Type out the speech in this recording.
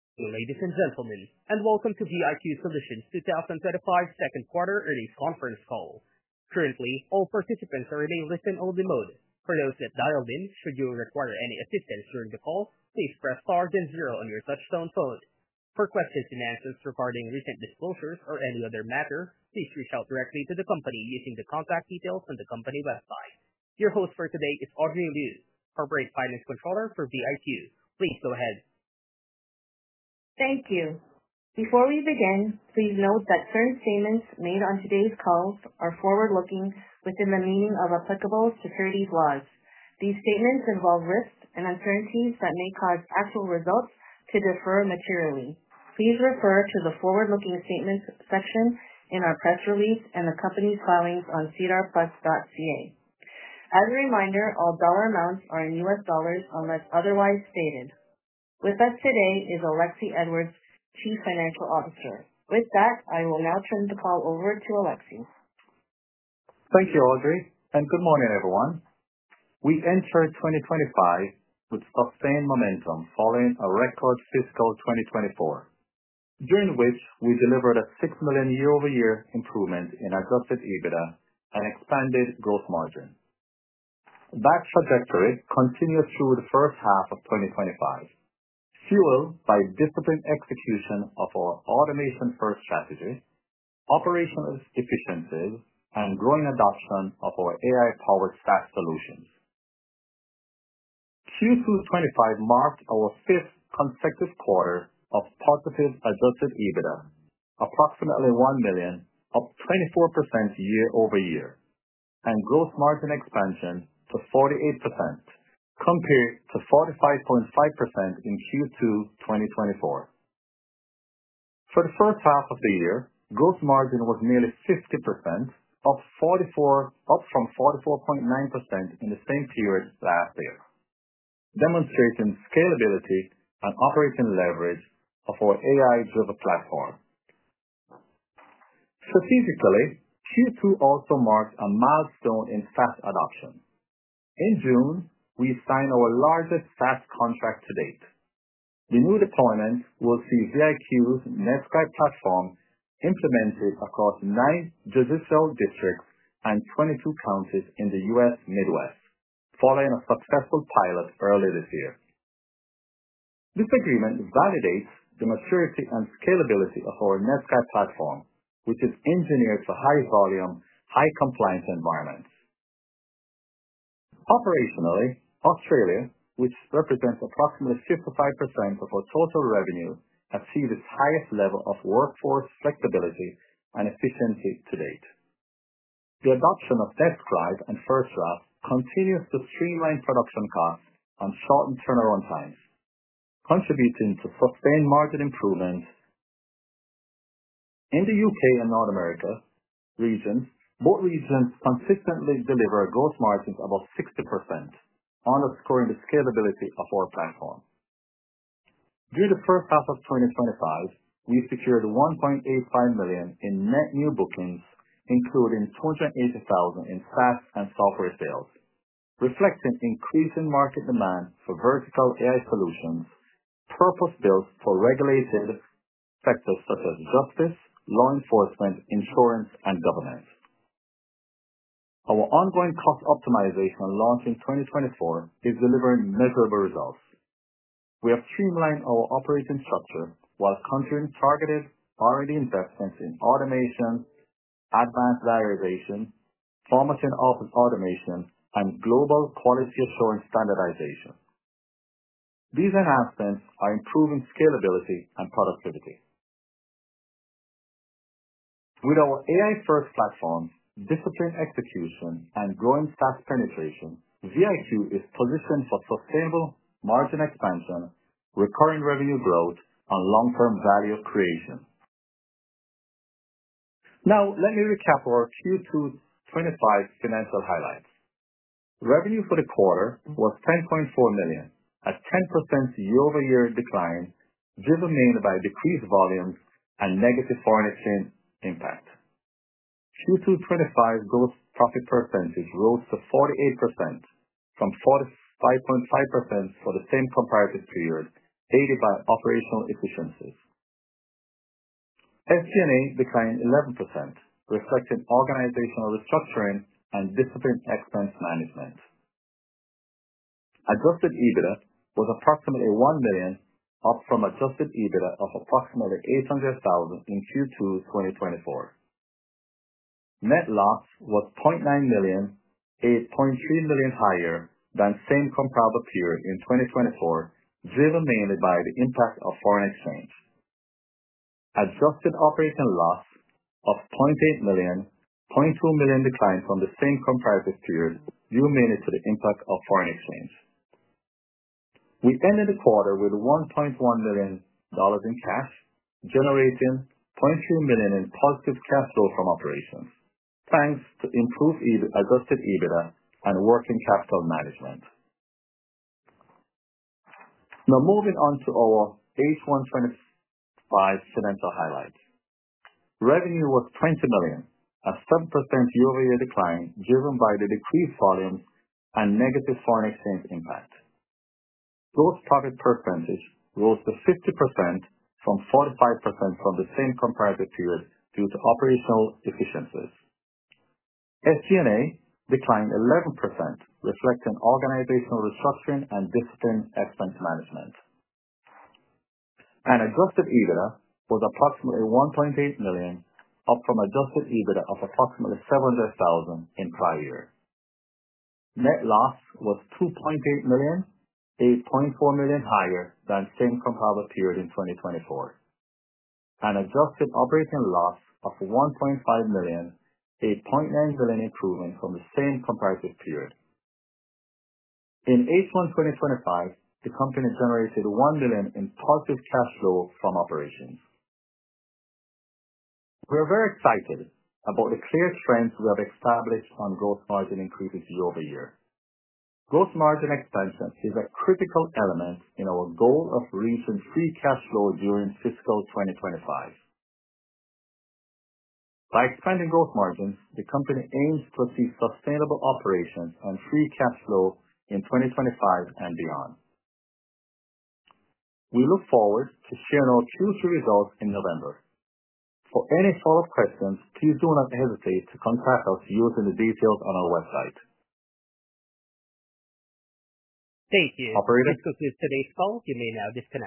Ladies and gentlemen, welcome to VIQ Solutions 2025 second quarter release conference call. Currently, all participants are in a listen-only mode. For those that dialed in, should you require any assistance during the call, please press star then zero on your touch-tone phone. For questions and answers regarding recent disclosures or any other matter, please reach out directly to the company using the contact details on the company website. Your host for today is Audrey Liu, Corporate Finance Controller for VIQ Solutions. Please go ahead. Thank you. Before we begin, please note that certain statements made on today's call are forward-looking within the meaning of applicable securities laws. These statements involve risks and uncertainties that may cause actual results to differ materially. Please refer to the forward-looking statements section in our press release and the company's filings on sedarplus.ca. As a reminder, all dollar amounts are in US dollars unless otherwise stated. With us today is Alexie Edwards, Chief Financial Officer. With that, I will now turn the call over to Alexie. Thank you, Audrey, and good morning, everyone. We enter 2025 with sustained momentum following a record fiscal 2024, during which we delivered a $6 million year-over-year improvement in adjusted EBITDA and expanded gross margins. That trajectory continues through the first half of 2025, fueled by disciplined execution of our automation-first strategy, operational expenses, and growing adoption of our AI-powered SaaS solutions. Q2 2025 marked our fifth consecutive quarter of positive adjusted EBITDA, approximately $1 million, up 24% year over year, and gross margin expansion to 48%, compared to 45.5% in Q2 2024. For the first half of the year, gross margin was nearly 50%, up from 44.9% in the same period last year, demonstrating scalability and operational leverage of our AI-driven platform. Strategically, Q2 also marks a milestone in SaaS adoption. In June, we signed our largest SaaS contract to date. The new deployment will see VIQ Solutions' NetScribe platform implemented across nine judicial districts and 22 counties in the U.S. Midwest, following a successful pilot earlier this year. This agreement validates the maturity and scalability of our NetScribe platform, which is engineered for high-volume, high-compliance environments. Operationally, Australia, which represents approximately 55% of our total revenue, achieved its highest level of workforce flexibility and efficiency to date. The adoption of NetScribe and FirstDraft continues to streamline production costs and shorten turnaround times, contributing to sustained margin improvements. In the UK and North America regions, both regions consistently delivered gross margins above 60%, underscoring the scalability of our platform. During the first half of 2025, we secured $1.85 million in net new bookings, including $280,000 in SaaS and software sales, reflecting increasing market demand for vertical AI solutions purpose-built for regulated sectors such as justice, law enforcement, insurance, and governance. Our ongoing cost optimization launched in 2024 is delivering measurable results. We have streamlined our operating structure while controlling targeted R&D investments in automation, advanced diarization, pharmacy and office automation, and global quality assurance standardization. These enhancements are improving scalability and productivity. With our AI-first platform, disciplined execution, and growing SaaS penetration, VIQ Solutions is positioned for sustainable margin expansion, recurring revenue growth, and long-term value creation. Now, let me recap our Q2 2025 financial highlights. Revenue for the quarter was $10.4 million, a 10% year-over-year decline, driven mainly by decreased volumes and negative foreign exchange impact. Q2 2025 gross profit percentage rose to 48%, from 45.5% for the same comparative period, aided by operational efficiencies. SG&A declined 11%, reflecting organizational restructuring and disciplined expense management. Adjusted EBITDA was approximately $1 million, up from adjusted EBITDA of approximately $800,000 in Q2 2024. Net loss was $0.9 million, $8.3 million higher than the same comparable period in 2024, driven mainly by the impact of foreign exchange. Adjusted operating loss of $0.8 million, $0.2 million declined from the same comparative period, due mainly to the impact of foreign exchange. We ended the quarter with $1.1 million in cash, generating $0.2 million in positive cash flow from operations, thanks to improved adjusted EBITDA and working capital management. Now, moving on to our H1 2025 financial highlights. Revenue was $20 million, a 7% year-over-year decline, driven by the decreased volumes and negative foreign exchange impact. Gross profit percentage rose to 50%, from 45% from the same comparative period, due to operational efficiencies. SG&A declined 11%, reflecting organizational restructuring and disciplined expense management. Adjusted EBITDA was approximately $1.8 million, up from adjusted EBITDA of approximately $700,000 in prior years. Net loss was $2.8 million, $8.4 million higher than the same comparable period in 2024. Adjusted operating loss of $1.5 million, a $0.9 million improvement from the same comparative period. In H1 2025, the company generated $1 million in positive cash flow from operations. We are very excited about the clear trends we have established on gross margin increases year over year. Gross margin expansion is a critical element in our goal of reaching free cash flow during fiscal 2025. By expanding gross margins, the company aims to achieve sustainable operations and free cash flow in 2025 and beyond. We look forward to seeing our Q2 results in November. For any follow-up questions, please do not hesitate to contact us using the details on our website. Thank you. Operator. This concludes today's call. You may now disconnect.